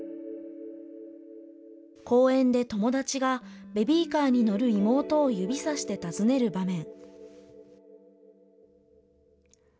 公園で友達がベビーカーに乗る妹を指さして尋ねる場面。